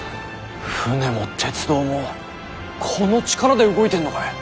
船も鉄道もこの力で動いているのか。